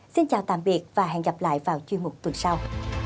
xin chào tạm biệt và hẹn gặp lại vào chương mục tuần sau